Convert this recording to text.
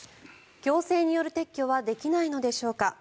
行政による撤去はできないのでしょうか。